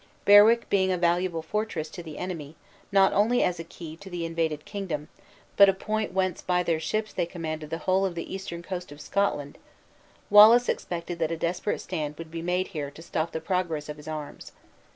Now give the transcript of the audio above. Berwick being a valuable fortress to the enemy, not only as a key to the invaded kingdom, but a point whence by their ships they commanded the whole of the eastern coast of Scotland, Wallace expected that a desperate stand would be made here to stop the progress of his arms.